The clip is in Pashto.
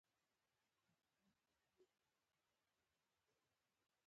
د بورې د تولید لپاره د مریانو استخدام اغېزناک نه و